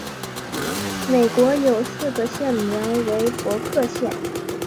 美国有四个县名为伯克县。